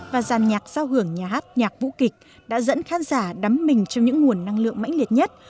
và giàn nhạc giao hưởng nhà hát nhạc vũ kịch đã dẫn khán giả đắm mình trong những nguồn năng lượng mãnh liệt nhất